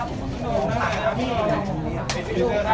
การแฟนขึ้นให้เดินให้สุข